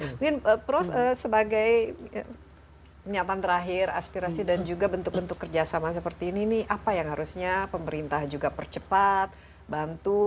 mungkin prof sebagai pernyataan terakhir aspirasi dan juga bentuk bentuk kerjasama seperti ini nih apa yang harusnya pemerintah juga percepat bantu